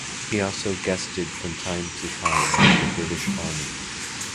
He also guested from time to time with the British Army.